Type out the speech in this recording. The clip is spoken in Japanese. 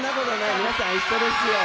皆さん一緒ですよ。